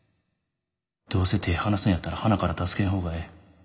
どうせ手ぇ離すんやったらはなから助けん方がええ。